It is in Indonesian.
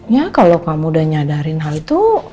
ya kalau kamu udah nyadarin hal itu